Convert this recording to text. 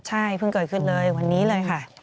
ใช่เพิ่งเกิดขึ้นเลยวันนี้เลยค่ะ